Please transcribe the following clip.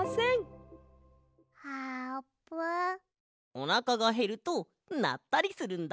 おなかがへるとなったりするんだ。